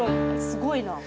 すごいね。